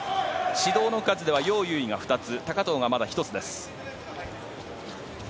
指導の数ではヨウ・ユウイが２つ高藤がまだ１つです。